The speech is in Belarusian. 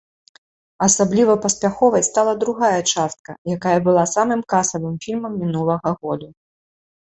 Асабліва паспяховай стала другая частка, якая была самым касавым фільмам мінулага году.